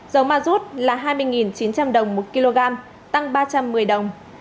dầu ma rút là hai mươi chín trăm linh đồng một kg tăng ba trăm một mươi đồng